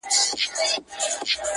د زمانې له چپاوونو را وتلی چنار٫